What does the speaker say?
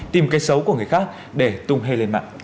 tìm cái xấu của người khác để tung hê lên mạng